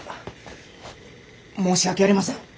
申し訳ありません。